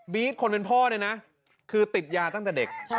คนเป็นพ่อเนี่ยนะคือติดยาตั้งแต่เด็ก